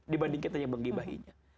dibanding kita yang menggibahinya